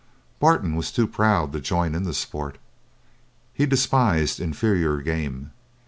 Barton was too proud to join in the sport; he despised inferior game.